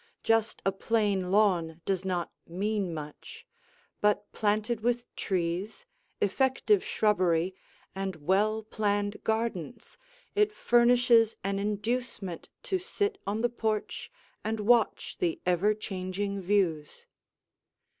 Just a plain lawn does not mean much, but planted with trees, effective shrubbery, and well planned gardens, it furnishes an inducement to sit on the porch and watch the ever changing views.